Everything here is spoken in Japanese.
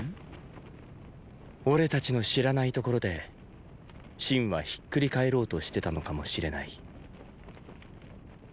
俺たちの知らない所で秦はひっくり返ろうとしてたのかもしれない。